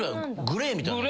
グレーみたいな？